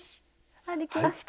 あっできました。